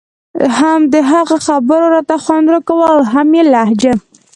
هم د هغه خبرو راته خوند راکاوه او هم يې لهجه.